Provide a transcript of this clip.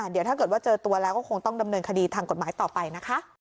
เดี๋ยวถ้าเกิดว่าเจอตัวแล้วก็คงต้องดำเนินคดีทางกฎหมายต่อไปนะคะ